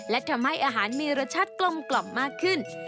และทำให้อาหารมีรสชาติกลมมากขึ้น